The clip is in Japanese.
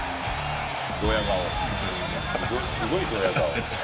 すごいドヤ顔。